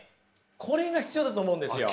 これが必要だと思うんですよ。